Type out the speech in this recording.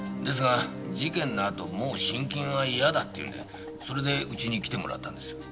ですが事件のあともう信金は嫌だって言うんでそれでうちに来てもらったんです。